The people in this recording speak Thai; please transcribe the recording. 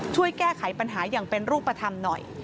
ช่วยแก้ไขปัญหาอย่างเป็นรูปธรรมหน่อย